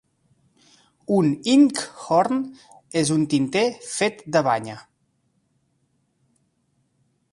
Un inkhorn és un tinter fet de banya.